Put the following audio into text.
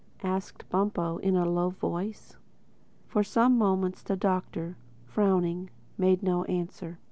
asked Bumpo in a low voice. For some moments the Doctor, frowning, made no answer.